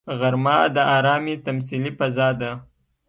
غرمه د ارامي تمثیلي فضا ده